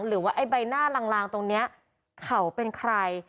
หรือว่าไอ้ใบหน้าลางตรงนี้เขาเป็นใคร